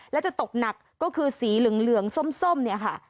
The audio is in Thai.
และจะตกหนักก็คือสีเหลืองส้มเนี่ยค่ะ